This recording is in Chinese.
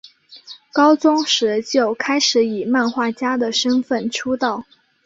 高中时就开始以漫画家的身份出道。